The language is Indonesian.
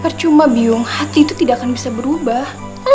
bercuma biyung hati itu tidak akan bisa berubah